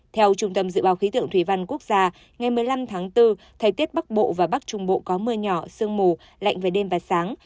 theo trung tâm dự báo khí tượng thủy văn quốc gia ngày một mươi năm tháng bốn thời tiết bắc bộ và bắc trung bộ có mưa nhỏ sương mù lạnh về đêm và sáng